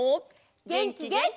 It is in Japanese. げんきげんき！